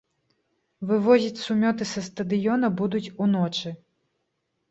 Вывозіць сумёты са стадыёна будуць уночы.